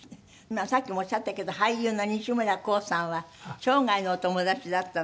さっきもおっしゃったけど俳優の西村晃さんは生涯のお友達だったんですってね。